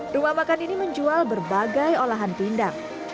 rumah makan ini menjual berbagai olahan pindang